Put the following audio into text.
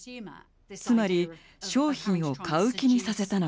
つまり商品を買う気にさせたのです。